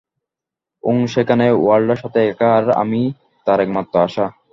ওং সেখানে ওয়ান্ডার সাথে একা আর আমিই তার একমাত্র আশা।